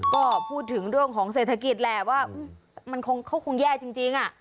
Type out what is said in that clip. ก็พูดถึงเรื่องของเศรษฐกิจแหละว่ามันเขาคงแย่จริง